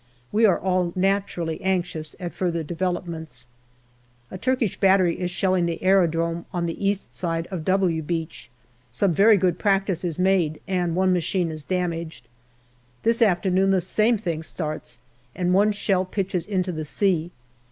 We are all naturally anxious at further developments. 102 GALLIPOLI DIARY A Turkish battery is shelling the aerodrome on the east side of " W " Beach. Some very good practice is made and one machine is damaged. This afternoon the same thing starts, and one shell pitches into the sea.